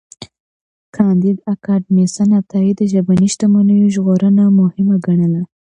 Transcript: کانديد اکاډميسن عطايی د ژبني شتمنیو ژغورنه مهمه ګڼله.